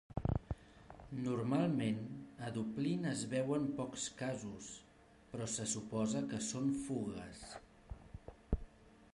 Normalment, a Dublín es veuen pocs casos, però se suposa que són fugues.